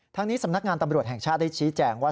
ทั้งนี้สำนักงานตำรวจแห่งชาติได้ชี้แจงว่า